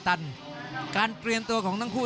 รับทราบบรรดาศักดิ์